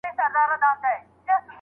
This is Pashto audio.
خدايه! ما وبخښې په دې کار خجالت کومه